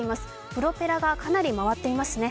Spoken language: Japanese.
プロペラがかなり回っていますね。